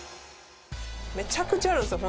めちゃくちゃあるんですよ